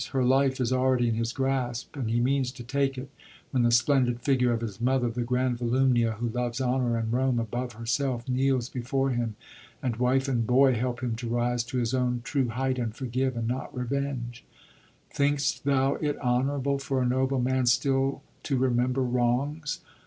Her life is already in his grasp, and he means to take it, when the splendid figure of his mother— the grand Volumnia, who loves honor and Rome above herself— kneels l>efore him, and wife and boy help him to rise to his own true height, and forgive, not revenge. " Think'st thou it honourable for a noble man still to remember wrongs?"